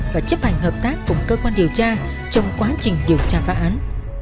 và chấp hành hợp tác cùng cơ quan điều tra trong quá trình điều tra phá án